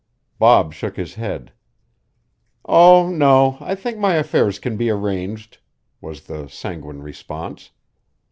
Bob shook his head. "Oh, no, I think my affairs can be arranged," was the sanguine response.